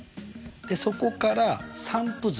そこから「散布図」